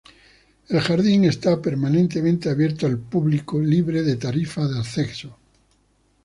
El jardín está permanentemente abierto al público, libre de tarifas de acceso.